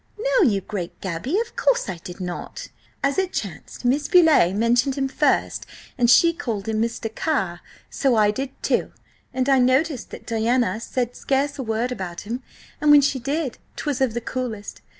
"No, you great gaby! Of course I did not. As it chanced, Miss Beauleigh mentioned him first, and she called him Mr. Carr. So I did, too. And I noticed that Diana said scarce a word about him, and when she did 'twas of the coolest.